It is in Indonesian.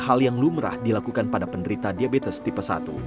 hal yang lumrah dilakukan pada penderita diabetes tipe satu